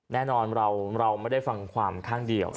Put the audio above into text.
แน่นอนเราไม่ได้ฟังความคาด